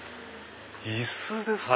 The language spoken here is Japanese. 椅子ですか！